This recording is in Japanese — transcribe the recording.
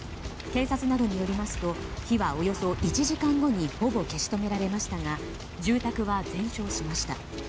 警察などによりますと火はおよそ１時間後にほぼ消し止められましたが住宅は全焼しました。